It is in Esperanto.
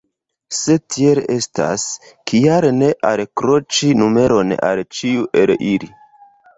Se tiel estas, kial ne alkroĉi numeron al ĉiu el ili?